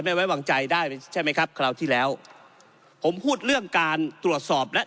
ไม่ไว้วางใจได้ใช่ไหมครับคราวที่แล้วผมพูดเรื่องการตรวจสอบและ